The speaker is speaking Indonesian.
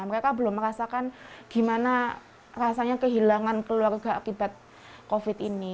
mereka belum merasakan gimana rasanya kehilangan keluarga akibat covid ini